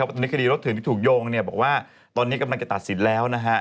วันนี้คดีรถเถื่อที่ถูกโยงเนี่ยบอกว่าตอนนี้กำลังจะตัดสินแล้วนะฮะ